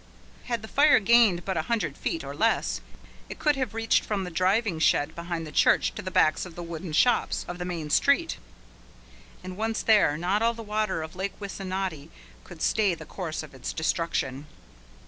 Had the fire gained but a hundred feet, or less, it could have reached from the driving shed behind the church to the backs of the wooden shops of the Main Street, and once there not all the waters of Lake Wissanotti could stay the course of its destruction.